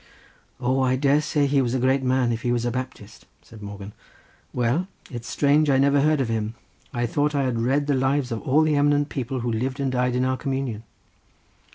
"O, I dare say he was a great man if he was a Baptist," said Morgan. "Well, it's strange I never read of him. I thought I had read the lives of all the eminent people who lived and died in our communion."